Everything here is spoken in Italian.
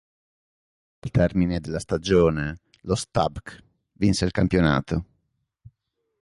Al termine della stagione, lo Stabæk vinse il campionato.